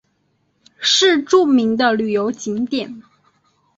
是著名的旅游景点。